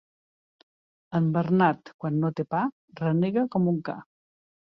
En Bernat, quan no té pa, renega com un ca.